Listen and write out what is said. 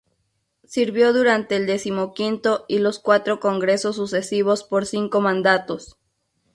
Sirvió durante el decimoquinto y los cuatro Congresos sucesivos, por cinco mandatos.